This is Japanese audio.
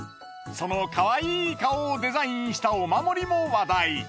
そのかわいい顔をデザインしたお守りも話題。